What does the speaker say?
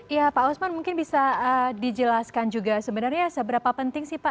ya pak usman mungkin bisa dijelaskan juga sebenarnya seberapa penting sih pak